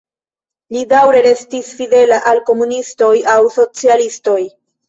Li daŭre restis fidela al komunistoj aŭ socialistoj.